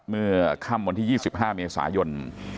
เมื่อค่ำวันที่๒๕เมษายน